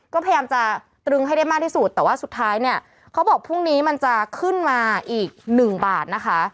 ก็พยายามจะตรึงให้ได้มากที่สุดแต่ว่าสุดท้ายเนี่ยเขาบอกพรุ่งนี้มันจะขึ้นมาอีกหนึ่งบาทนะคะ